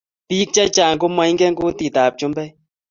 pik che chnag komainge kutit ab chumbek